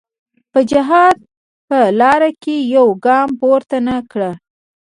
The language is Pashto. په جهاد په لاره کې یو ګام پورته نه کړ.